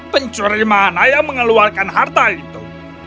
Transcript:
pencuri mana yang mengeluarkan harta itu